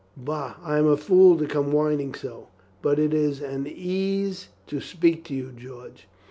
"Bah, I am a fool to come whining so, but it is an ease to speak to you, George."